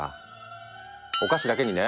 お菓子だけにね。